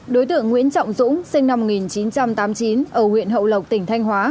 đối tượng nguyễn trọng dũng sinh năm một nghìn chín trăm tám mươi chín ở huyện hậu lộc tỉnh thanh hóa